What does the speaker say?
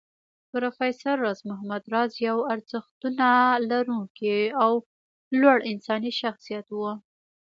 پروفېسر راز محمد راز يو ارزښتونه لرونکی او لوړ انساني شخصيت و